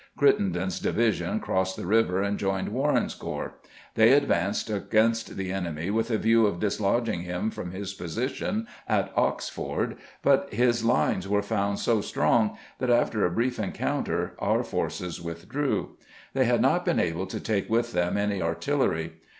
Crittenden's division crossed the river and joined Warren's corps. They advanced against the enemy with a view of dislodging him from his position at Ox Ford, but his lines were found so strong that after a brief encounter our forces withdrew. They had not been able to take with them any artillery.